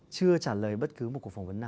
chưa trả lời bất cứ một cuộc phỏng vấn nào